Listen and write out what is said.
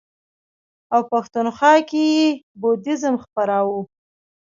او پښتونخوا کې یې بودیزم خپراوه.